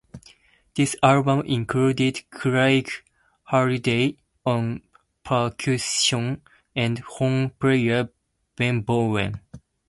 This album included Craig Halliday on percussion and horn player Ben Bowen.